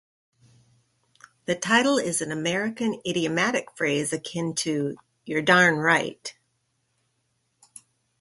The title is an American idiomatic phrase akin to You're darn right!